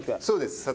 そうです。